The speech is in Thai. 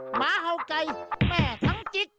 หมาเห่าไก่แม่ทั้งกิ๊ก